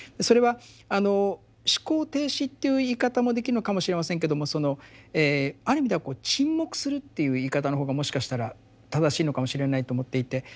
それは思考停止っていう言い方もできるのかもしれませんけどもある意味では沈黙するっていう言い方の方がもしかしたら正しいのかもしれないと思っていて。